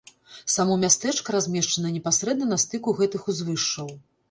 Само мястэчка размешчана непасрэдна на стыку гэтых узвышшаў.